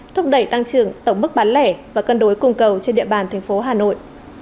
thúc đẩy tăng trưởng tổng mức bán lẻ và cân đối cùng cầu trên địa bàn thành phố hà nội